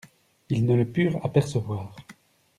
Ils ne le purent apercevoir.